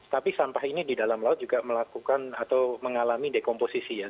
tapi sampah ini di dalam laut juga melakukan atau mengalami dekomposisi ya